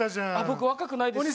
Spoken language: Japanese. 僕若くないです